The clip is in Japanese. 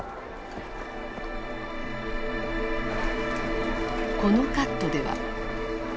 このカットでは。